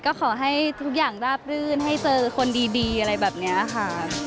ก็ขอให้ทุกอย่างราบรื่นให้เจอคนดีอะไรแบบนี้ค่ะ